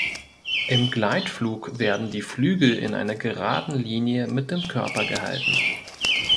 Im Gleitflug werden die Flügel in einer geraden Linie mit dem Körper gehalten.